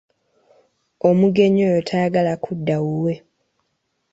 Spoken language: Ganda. Omugenyi oyo tayagala kudda wuwe.